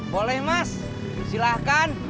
boleh mas silahkan